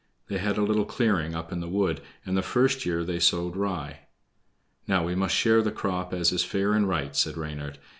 They had a little clearing up in the wood, and the first year they sowed rye. "Now we must share the crop as is fair and right," said Reynard.